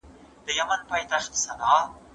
ټول عمر تكه توره شپه وي رڼا كډه كړې